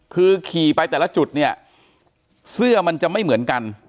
คือขี่ไปแต่ละจุดเนี่ยเสื้อมันจะไม่เหมือนกัน